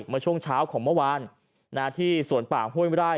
เมื่อช่วงเช้าของเมื่อวานที่สวนป่าห้วยไร่